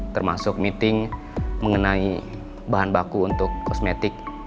termasuk meeting mengenai bahan baku untuk kosmetik